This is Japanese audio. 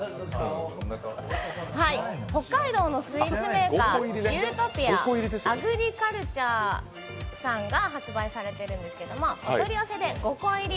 北海道のスイーツメーカー、ユートピアアグリカルチャーさんが発売されているんですけれどお取り寄せで５個入り。